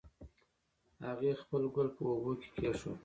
هغې خپل ګل په اوبو کې کېښود